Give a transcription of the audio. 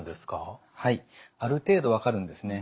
はいある程度分かるんですね。